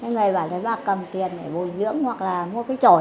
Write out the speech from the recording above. người bà lấy bà cầm tiền để bồi dưỡng hoặc là mua cái trổi